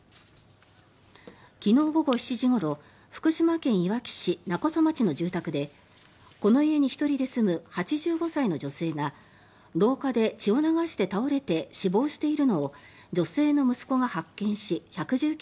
昨日午後７時ごろ福島県いわき市勿来町の住宅でこの家に１人で住む８５歳の女性が廊下で血を流して倒れて死亡しているのを女性の息子が発見し１１９